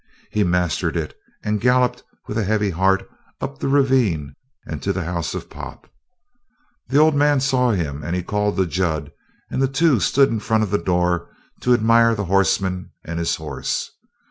He mastered it, and galloped with a heavy heart up the ravine and to the house of Pop. The old man saw him; he called to Jud, and the two stood in front of the door to admire the horseman and his horse.